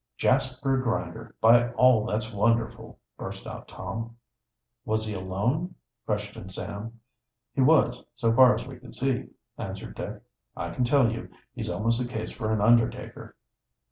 "Jasper Grinder, by all that's wonderful!" burst out Tom. "Was he alone?" questioned Sam. "He was, so far as we could see," answered Dick. "I can tell you, he's almost a case for an undertaker."